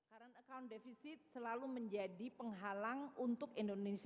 current account deficit selalu menjadi penghalang untuk indonesia